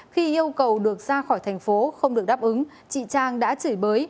khi yêu cầu được ra khỏi thành phố không được đáp ứng chị trang đã chửi bới